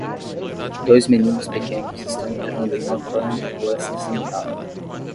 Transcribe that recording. Dois meninos pequenos estão entrando em uma van de cor acinzentada.